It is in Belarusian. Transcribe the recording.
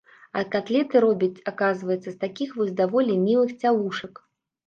А катлеты робяць, аказваецца, з такіх вось даволі мілых цялушак.